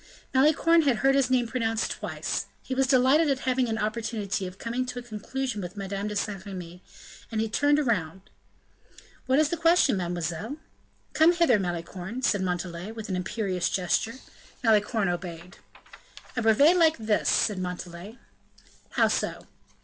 Malicorne had heard his name pronounced twice; he was delighted at having an opportunity of coming to a conclusion with Madame de Saint Remy, and he turned round: "What is the question, mademoiselle?" "Come hither, Malicorne," said Montalais, with an imperious gesture. Malicorne obeyed. "A brevet like this," said Montalais. "How so?"